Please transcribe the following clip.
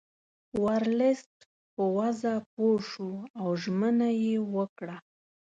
ورلسټ په وضع پوه شو او ژمنه یې وکړه.